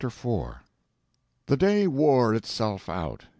jpg (17K) The day wore itself out.